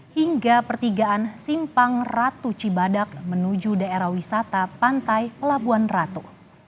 hingga pertigaan simpang ratu cibadak menuju daerah wisata pantai pelabuhan ratu